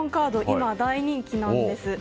今、大人気なんです。